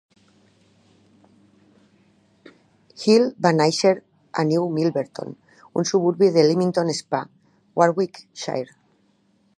Hill va néixer a New Milverton, un suburbi de Leamington Spa, Warwickshire.